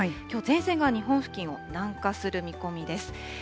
きょう、前線が日本付近を南下する見込みです。